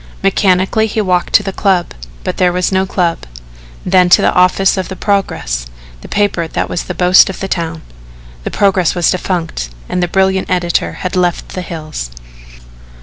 Mechanically he walked to the Club, but there was no club then on to the office of The Progress the paper that was the boast of the town. The Progress was defunct and the brilliant editor had left the hills.